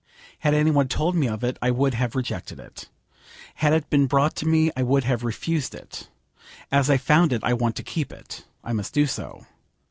Had any one told me of it, I would have rejected it. Had it been brought to me, I would have refused it. As I found it, I want to keep it. I must do so.